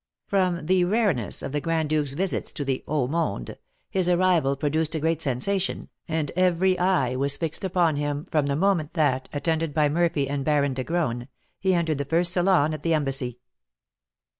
From the rareness of the Grand Duke's visits to the haut monde, his arrival produced a great sensation, and every eye was fixed upon him from the moment that, attended by Murphy and Baron de Graün, he entered the first salon at the embassy.